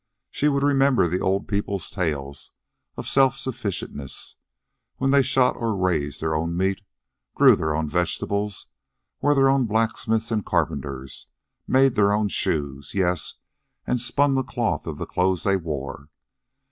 She would remember the old people's tales of self sufficingness, when they shot or raised their own meat, grew their own vegetables, were their own blacksmiths and carpenters, made their own shoes yes, and spun the cloth of the clothes they wore.